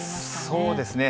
そうですね。